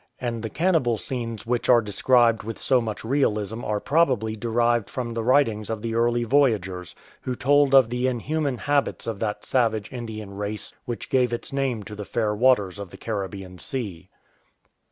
And the cannibal scenes which are described with so much realism are probably derived from the writings of the early voyagers, who told of the inhuman habits of that savage Indian race which gave its name to the fair waters of the Caribbean Sea.